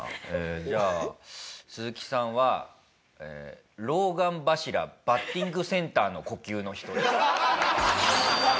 じゃあスズキさんは老眼柱バッティングセンターの呼吸の人です。